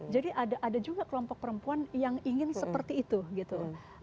jadi ada juga kelompok perempuan yang ingin seperti itu